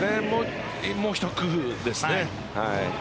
もうひと工夫ですね。